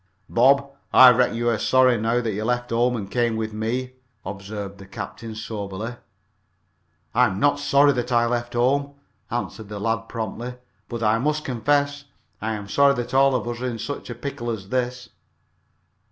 "Bob, I reckon you are sorry now that you left home and came with me," observed the captain soberly. "I'm not sorry that I left home," answered the lad promptly. "But I must confess I am sorry that all of us are in such a pickle as this."